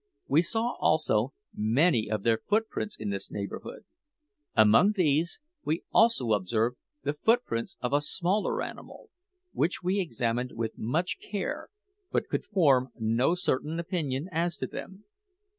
We saw, also, many of their footprints in this neighbourhood. Among these we also observed the footprints of a smaller animal, which we examined with much care, but could form no certain opinion as to them.